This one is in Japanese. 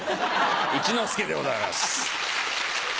一之輔でございます。